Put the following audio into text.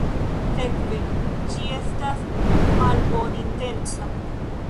Sekve, ĝi estas malbonintenca.